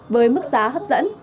với mức giá hấp dẫn